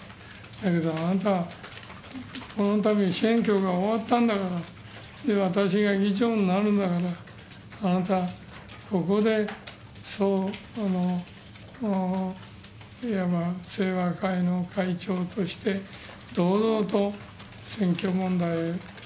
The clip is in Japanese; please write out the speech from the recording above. だけど、あなた、このたび選挙が終わったんだから、私が議長になるんだから、あなた、ここでいわばせいわ会の会長として、堂々と選挙問題